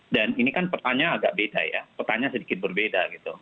dan ini kan petanya agak beda ya petanya sedikit berbeda gitu